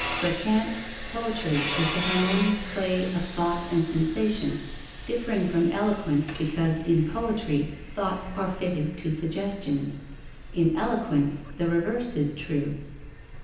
For Kant, poetry is the harmonious play of thought and sensation, differing from eloquence, because in poetry thoughts are fitted to suggestions, in eloquence the reverse is true.